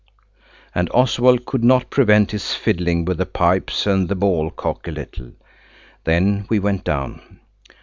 And Oswald could not prevent his fiddling with the pipes and the ball cock a little. Then we went down.